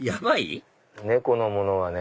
猫のものはね。